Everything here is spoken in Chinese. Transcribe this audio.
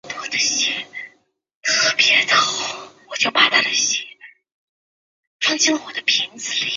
谢谢助教